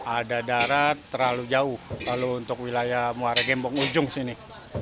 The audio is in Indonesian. ada daerah terlalu jauh lalu untuk wilayah muara gembong ujung sini